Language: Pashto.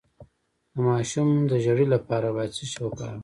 د ماشوم د ژیړي لپاره باید څه شی وکاروم؟